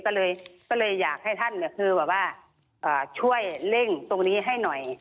ก็เลยอยากให้ท่านคือแบบว่าช่วยเร่งตรงนี้ให้หน่อย